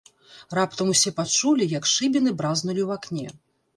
Раптам усе пачулі, як шыбіны бразнулі ў акне.